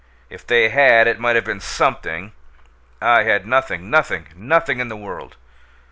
If they had, it might have been SOMETHING! I had nothing nothing nothing in the world!